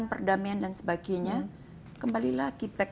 jadi negara itu perlu like